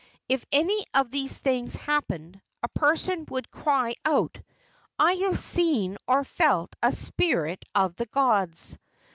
If any of these things happened, a person would cry out, "I have seen or felt a spirit of the gods."